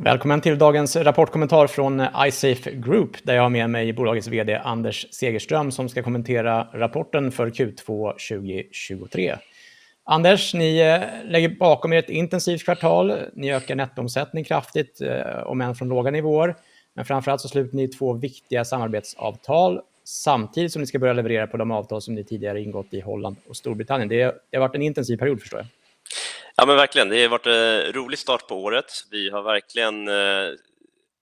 Välkommen till dagens rapportkommentar från iSafe Group, där jag har med mig bolagets VD Anders Segerström, som ska kommentera rapporten för Q2 2023. Anders, ni lägger bakom er ett intensivt kvartal. Ni ökar nettoomsättning kraftigt, om än från låga nivåer, men framför allt så sluter ni två viktiga samarbetsavtal samtidigt som ni ska börja leverera på de avtal som ni tidigare ingått i Holland och Storbritannien. Det har varit en intensiv period förstår jag. Ja, men verkligen, det har varit en rolig start på året. Vi har verkligen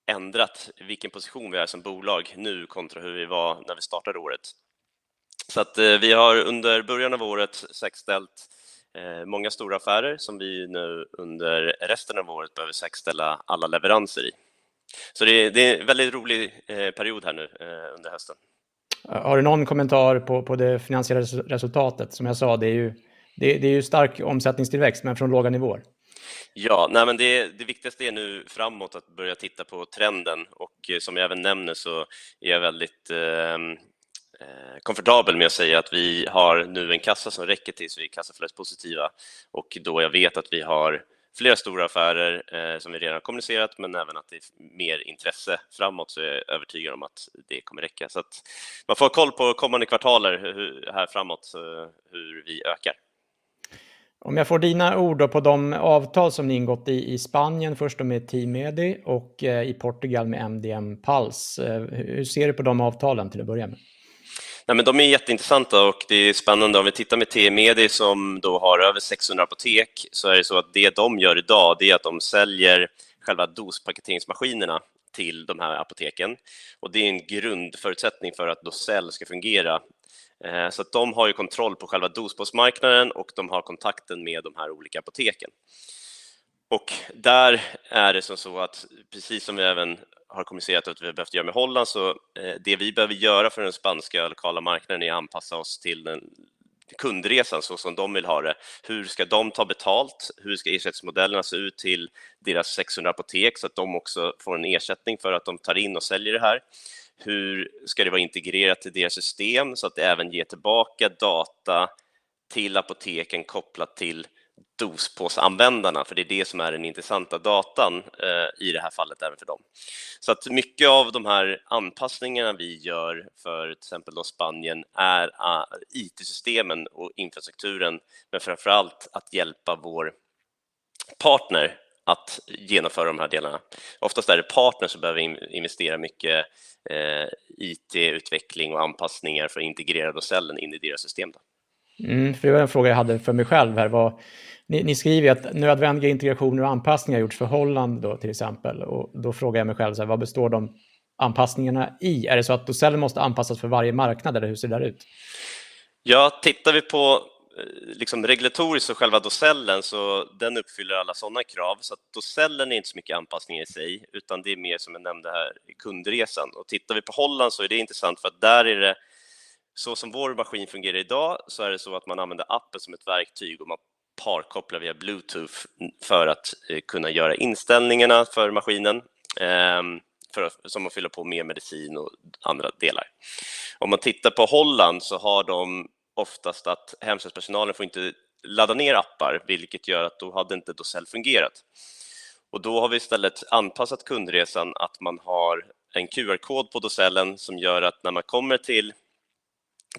ändrat vilken position vi är som bolag nu kontra hur vi var när vi startade året. Så att vi har under början av året säkerställt många stora affärer som vi nu under resten av året behöver säkerställa alla leveranser i. Det är väldigt rolig period här nu under hösten. Har du någon kommentar på det finansiella resultatet? Som jag sa, det är stark omsättningstillväxt, men från låga nivåer. Men det viktigaste är nu framåt att börja titta på trenden och som jag även nämner så är jag väldigt komfortabel med att säga att vi har nu en kassa som räcker tills vi är kassaflödespositiva och då jag vet att vi har flera stora affärer som vi redan har kommunicerat, men även att det är mer intresse framåt, så är jag övertygad om att det kommer räcka. Man får koll på kommande kvartaler, hur, här framåt, hur vi ökar. Om jag får dina ord på de avtal som ni ingått i Spanien, först med T Medi och i Portugal med MDM Pulse. Hur ser du på de avtalen till att börja med? Nej, men de är jätteintressanta och det är spännande. Om vi tittar med T Medi, som då har över sexhundra apotek, så är det så att det de gör idag är att de säljer själva dospaketeringsmaskinerna till de här apoteken. Och det är en grundförutsättning för att Dosell ska fungera. Så att de har ju kontroll på själva dospåsmarknaden och de har kontakten med de här olika apoteken. Och där är det som så att, precis som vi även har kommunicerat att vi har behövt göra med Holland, så det vi behöver göra för den spanska lokala marknaden är att anpassa oss till den kundresan, så som de vill ha det. Hur ska de ta betalt? Hur ska ersättningsmodellerna se ut till deras sexhundra apotek så att de också får en ersättning för att de tar in och säljer det här? Hur ska det vara integrerat i deras system så att det även ger tillbaka data till apoteken kopplat till dospåsanvändarna? För det är det som är den intressanta datan i det här fallet även för dem. Så att mycket av de här anpassningarna vi gör för till exempel då Spanien är IT-systemen och infrastrukturen, men framför allt att hjälpa vår partner att genomföra de här delarna. Oftast är det partner som behöver investera mycket IT-utveckling och anpassningar för att integrera Dosellen in i deras system. För det var en fråga jag hade för mig själv här var: Ni skriver att nödvändiga integrationer och anpassningar har gjorts för Holland då, till exempel, och då frågar jag mig själv, vad består de anpassningarna i? Är det så att Dosellen måste anpassas för varje marknad eller hur ser det där ut? Ja, tittar vi på liksom regulatoriskt och själva Dosellen, så den uppfyller alla sådana krav. Att Dosellen är inte så mycket anpassning i sig, utan det är mer som jag nämnde här, kundresan. Tittar vi på Holland, så är det intressant, för att där är det så som vår maskin fungerar idag, så är det så att man använder appen som ett verktyg och man parkopplar via Bluetooth för att kunna göra inställningarna för maskinen, för att som man fyller på med medicin och andra delar. Om man tittar på Holland så har de oftast att hemsjukvårdspersonalen får inte ladda ner appar, vilket gör att då hade inte Dosell fungerat. Och då har vi istället anpassat kundresan att man har en QR-kod på Dosellen som gör att när man kommer till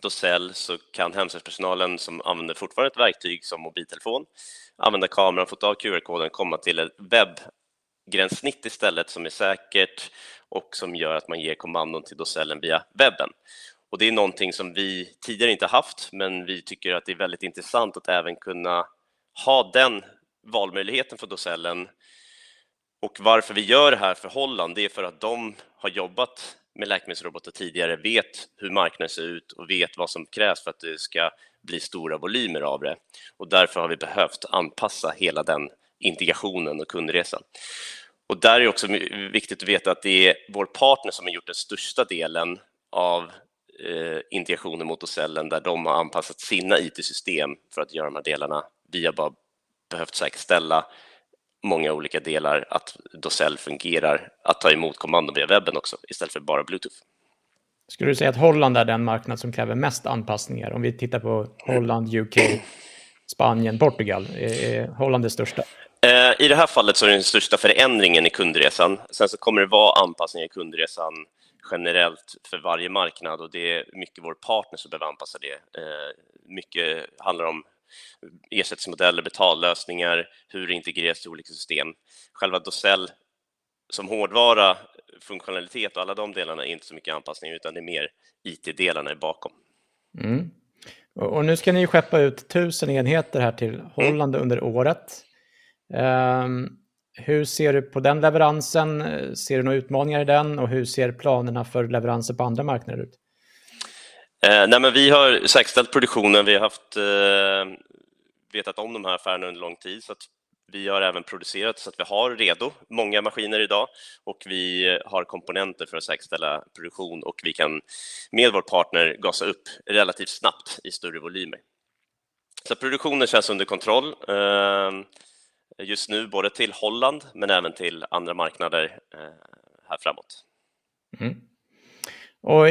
Dosell så kan hemsätspersonalen, som använder fortfarande ett verktyg som mobiltelefon, använda kameran, få ta QR-koden, komma till ett webbgränssnitt istället, som är säkert och som gör att man ger kommandot till Dosellen via webben. Det är någonting som vi tidigare inte haft, men vi tycker att det är väldigt intressant att även kunna ha den valmöjligheten för Dosellen. Varför vi gör det här för Holland, det är för att de har jobbat med läkemedelsrobotar tidigare, vet hur marknaden ser ut och vet vad som krävs för att det ska bli stora volymer av det. Därför har vi behövt anpassa hela den integrationen och kundresan. Och där är det också viktigt att veta att det är vår partner som har gjort den största delen av integrationen mot Dosellen, där de har anpassat sina IT-system för att göra de här delarna. Vi har bara behövt säkerställa många olika delar, att Dosell fungerar, att ta emot kommando via webben också, istället för bara Bluetooth. Skulle du säga att Holland är den marknad som kräver mest anpassningar? Om vi tittar på Holland, UK, Spanien, Portugal. Är Holland det största? I det här fallet så är det den största förändringen i kundresan. Sen så kommer det vara anpassning i kundresan generellt för varje marknad och det är mycket vår partner som behöver anpassa det. Mycket handlar om ersättningsmodeller, betallösningar, hur det integreras i olika system. Själva Dosell som hårdvara, funktionalitet och alla de delarna är inte så mycket anpassning, utan det är mer IT-delarna bakom. Och nu ska ni ju skeppa ut tusen enheter här till Holland under året. Hur ser du på den leveransen? Ser du några utmaningar i den och hur ser planerna för leveranser på andra marknader ut? Men vi har säkerställt produktionen. Vi har vetat om de här affärerna under lång tid, så att vi har även producerat, så att vi har redo många maskiner i dag och vi har komponenter för att säkerställa produktion och vi kan med vår partner gasa upp relativt snabbt i större volymer. Så produktionen känns under kontroll just nu, både till Holland, men även till andra marknader här framåt.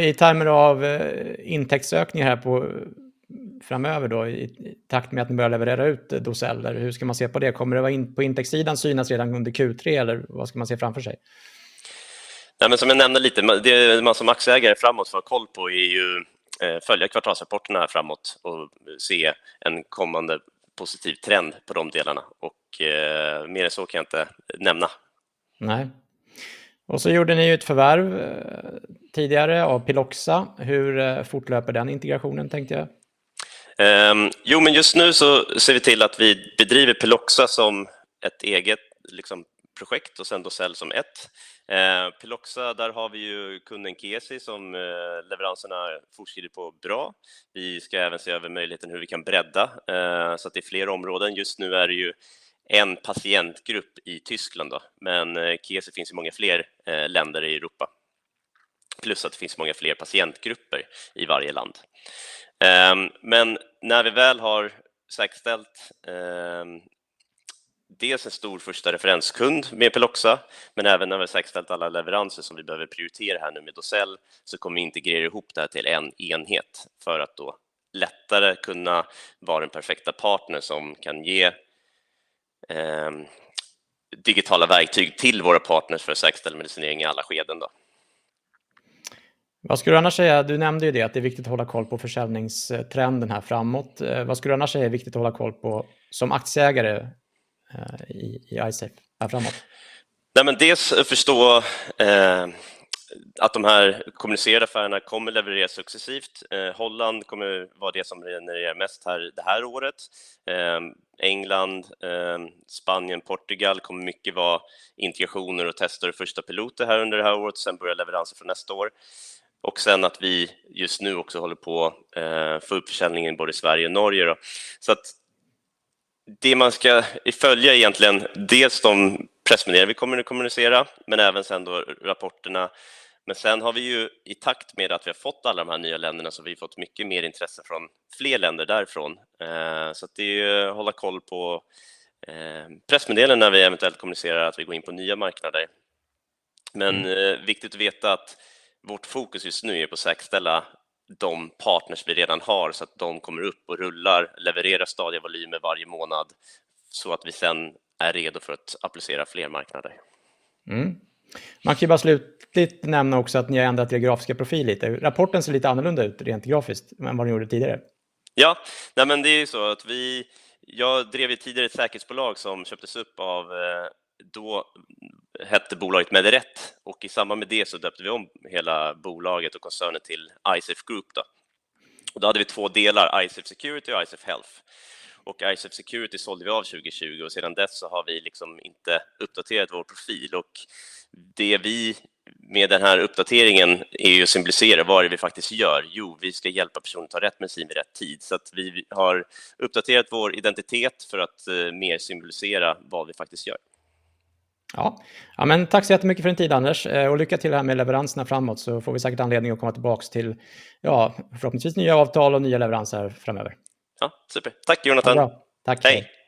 I termer av intäktsökningar här på framöver då, i takt med att ni börjar leverera ut Doseller. Hur ska man se på det? Kommer det vara på intäktssidan synas redan under Q3 eller vad ska man se framför sig? Nej, men som jag nämnde lite, det man som aktieägare framåt får ha koll på är ju att följa kvartalsrapporterna framåt och se en kommande positiv trend på de delarna. Och mer än så kan jag inte nämna. Nej, och så gjorde ni ju ett förvärv tidigare av Piloxa. Hur fortlöper den integrationen tänkte jag? Jo, men just nu så ser vi till att vi bedriver Piloxa som ett eget projekt och sedan Dosell som ett. Piloxa, där har vi ju kunden Kesi, som leveranserna fortskrider på bra. Vi ska även se över möjligheten hur vi kan bredda, så att det är fler områden. Just nu är det ju en patientgrupp i Tyskland, men Kesi finns i många fler länder i Europa. Plus att det finns många fler patientgrupper i varje land. Men när vi väl har säkerställt, dels en stor första referenskund med Piloxa, men även när vi säkerställt alla leveranser som vi behöver prioritera här nu med Dosell, så kommer vi integrera ihop det här till en enhet för att då lättare kunna vara den perfekta partner som kan ge digitala verktyg till våra partners för att säkerställa medicinering i alla skeden då. Vad skulle du annars säga? Du nämnde ju det, att det är viktigt att hålla koll på försäljningstrenden här framåt. Vad skulle du annars säga är viktigt att hålla koll på som aktieägare i Isef här framåt? Men dels förstå att de här kommunicerade affärerna kommer leverera successivt. Holland kommer vara det som genererar mest här det här året. England, Spanien, Portugal kommer mycket vara integrationer och testa de första piloter här under det här året. Sen börja leveranser för nästa år. Att vi just nu också håller på att få upp försäljningen både i Sverige och Norge. Så att det man ska följa är egentligen dels de pressmeddelande vi kommer att kommunicera, men även sen då rapporterna. Men sen har vi ju i takt med att vi har fått alla de här nya länderna, så vi har fått mycket mer intresse från fler länder därifrån. Så att det är ju hålla koll på pressmeddelande när vi eventuellt kommunicerar att vi går in på nya marknader. Men viktigt att veta att vårt fokus just nu är på att säkerställa de partners vi redan har, så att de kommer upp och rullar, levererar stadiga volymer varje månad, så att vi sedan är redo för att applicera fler marknader. Man kan ju bara slutligt nämna också att ni har ändrat er grafiska profil lite. Rapporten ser lite annorlunda ut, rent grafiskt, än vad den gjorde tidigare. Ja, men det är ju så att vi, jag drev ju tidigare ett säkerhetsbolag som köptes upp av, då hette bolaget Medirätt, och i samband med det så döpte vi om hela bolaget och koncernen till Isef Group då. Då hade vi två delar, Isef Security och Isef Health. Isef Security sålde vi av 2020 och sedan dess så har vi liksom inte uppdaterat vår profil. Det vi med den här uppdateringen är ju symbolisera vad det är vi faktiskt gör. Vi ska hjälpa personen att ta rätt medicin vid rätt tid. Så att vi har uppdaterat vår identitet för att mer symbolisera vad vi faktiskt gör. Ja, ja men tack så jättemycket för din tid, Anders, och lycka till med leveranserna framåt så får vi säkert anledning att komma tillbaka till, ja, förhoppningsvis nya avtal och nya leveranser framöver. Ja, super! Tack Jonatan. Tack. Hej!